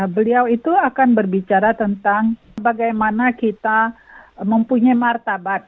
beliau itu akan berbicara tentang bagaimana kita mempunyai martabat